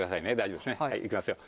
行きますよ。